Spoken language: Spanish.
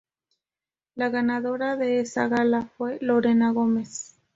La ganadora de esa gala fue Lorena Gómez.